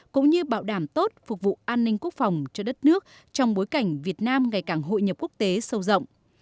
cũng như bảo đảm tốt phục vụ an ninh quốc phòng cho đất nước trong bối cảnh việt nam ngày càng hội nhập quốc tế sâu rộng